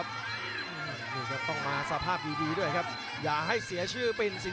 จังหวาดึงซ้ายตายังดีอยู่ครับเพชรมงคล